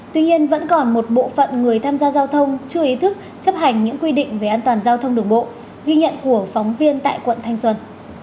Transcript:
tuy nhiên vẫn còn một bộ phận người tham gia giao thông chưa ý thức chấp hành những quy định về an toàn giao thông đường bộ ghi nhận của phóng viên tại quận thanh xuân